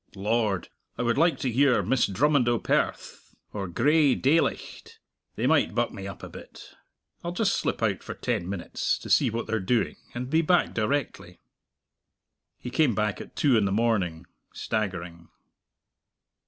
Lord! I would like to hear 'Miss Drummond o' Perth' or 'Gray Daylicht' they might buck me up a bit. I'll just slip out for ten minutes, to see what they're doing, and be back directly." He came back at two in the morning, staggering.